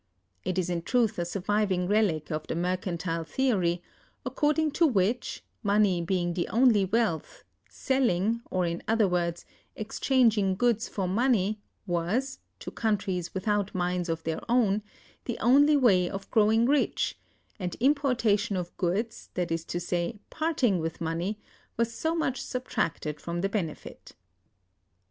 It is in truth a surviving relic of the Mercantile Theory, according to which, money being the only wealth, selling, or, in other words, exchanging goods for money, was (to countries without mines of their own) the only way of growing rich—and importation of goods, that is to say, parting with money, was so much subtracted from the benefit.